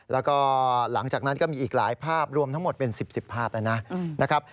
แล้วก็หลังจากนั้นก็มีอีกหลายภาพรวมทั้งหมดเป็น๑๐ภาพแล้วนะครับ